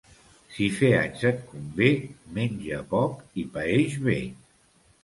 Si fer anys et convé, menja poc i paeix bé.